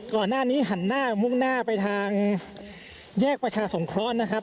ก่อนหน้านี้หันหน้ามุ่งหน้าไปทางแยกประชาสงเคราะห์นะครับ